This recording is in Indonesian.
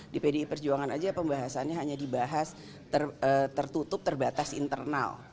di pdi perjuangan aja pembahasannya hanya dibahas tertutup terbatas internal